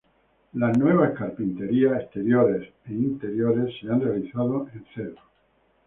Las nuevas carpinterías exteriores e interiores se han realizado en cedro.